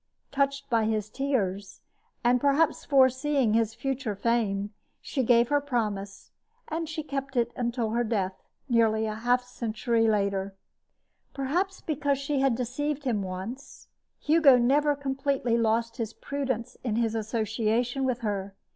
Touched by his tears, and perhaps foreseeing his future fame, she gave her promise, and she kept it until her death, nearly half a century later. Perhaps because she had deceived him once, Hugo never completely lost his prudence in his association with her.